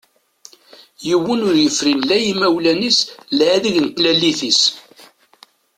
Yiwen ur yefrin la imawlan-is la adeg n tlalit-is.